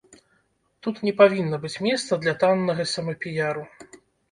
Тут не павінна быць месца для таннага самапіяру.